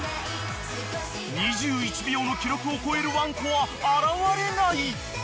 ［２１秒の記録を超えるワンコは現れない］